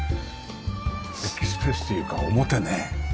デッキスペースというか表ね。